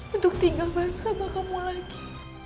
untuk tinggal bareng sama kamu lagi